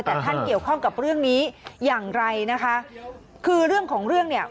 แต่ท่านเกี่ยวข้องกับเรื่องนี้อย่างไรนะคะคือเรื่องของเรื่องเนี่ย